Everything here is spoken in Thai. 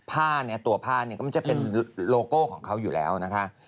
ผ้าเนี่ยตัวผ้าเนี่ยก็มันจะเป็นโลโก้ของเขาอยู่แล้วนะคะ